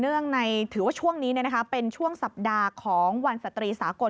ถือว่าช่วงนี้เป็นช่วงสัปดาห์ของวันสตรีสากล